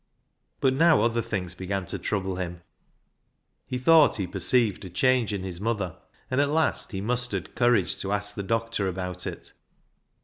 But now other things began to trouble him. He thought he perceived a change in his mother, and at last he mustered courage to ask the doctor about it.